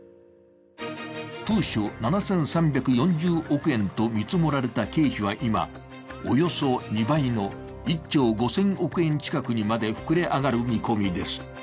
当初７３４０億円と見積もられた経費は今およそ２倍の１兆５０００億円近くにまで膨れ上がる見込みです。